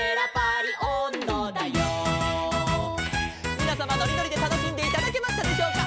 「みなさまのりのりでたのしんでいただけましたでしょうか」